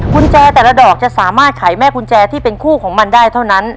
กุญแจแต่ละดอกจะสามารถไขแม่กุญแจที่เป็นคู่ของมันได้เท่านั้น